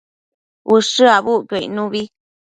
Ushë abucquio icnubi